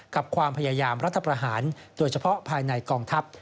ความพยายามรัฐประหารโดยเฉพาะภายในกองทัพ